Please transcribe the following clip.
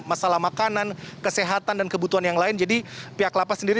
masalah makanan kesehatan dan kebutuhan yang lain jadi pihak lapas sendiri